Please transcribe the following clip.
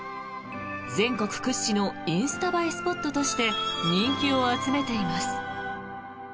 全国屈指のインスタ映えスポットとして人気を集めています。